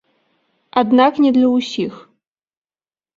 Аднак не для ўсіх.